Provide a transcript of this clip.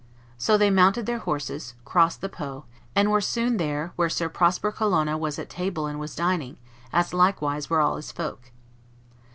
So they mounted their horses, crossed the Po, and "were soon there, where Sir Prosper Colonna was at table and was dining, as likewise were all his folk."